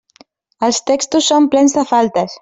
Els textos són plens de faltes.